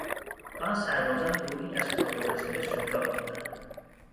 آن سربازان گروهی از خود گذشته و شجاع بودند.